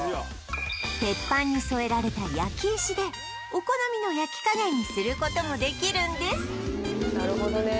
鉄板に添えられた焼き石でお好みの焼き加減にすることもできるんですなるほどね